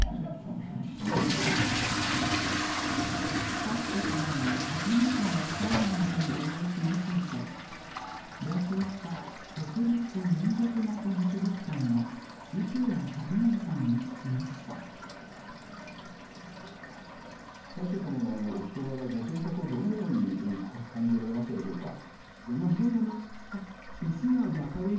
悠仁さまの初めての海外でのご様子について同行した国立民族学博物館の池谷和信さんに聞きました悠仁さまのお人柄ご性格をどのように感じられましたでしょうか？